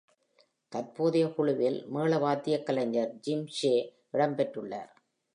தற்போதைய குழுவில் மேள வாத்தியக் கலைஞர் Jim Shea இடம் பெற்றுள்ளார்.